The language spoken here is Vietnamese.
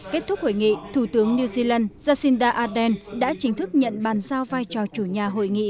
kết thúc hội nghị thủ tướng new zealand jacinda aden đã chính thức nhận bàn giao vai trò chủ nhà hội nghị